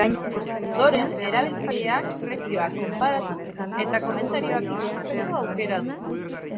Ondoren, erabiltzaileak prezioak konparatu eta komentarioak ikusteko aukera du.